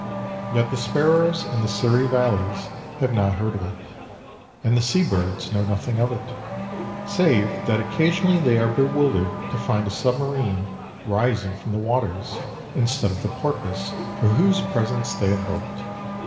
Yet the sparrows in the Surrey valleys have not heard of it, and the sea birds know nothing of it, save that occasionally they are bewildered to find a submarine rising from the waters instead of the porpoise for whose presence they had hoped.